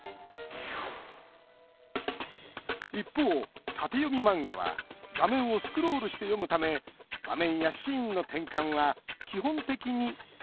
一方、縦読み漫画は画面をスクロールして読むため画面やシーンの転換は基本的に縦方向です。